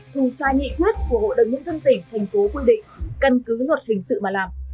thu sai nhị quyết của hội đồng nhân dân tỉnh thành phố quy định cân cứ luật hình sự mà làm